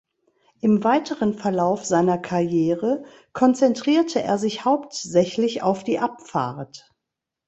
Im weiteren Verlauf seiner Karriere konzentrierte er sich hauptsächlich auf die Abfahrt.